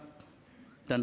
tiga penasihat hukumnya